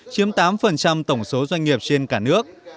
chiếm tám tổng số doanh nghiệp trên cả nước